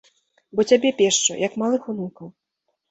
Бо цябе пешчу, як малых унукаў.